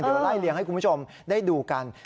เดี๋ยวไล่เลี่ยงให้คุณผู้ชมได้ดูกัน